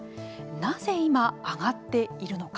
なぜ今、上がっているのか。